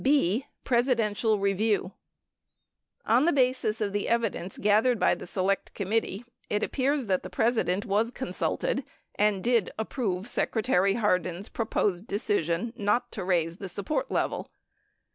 b. Presidential Review On the basis of the evidence gathered by the Select Committee, it appears that the President was consulted and did approve Secretary Hardin's proposed decision hot to raise the support level.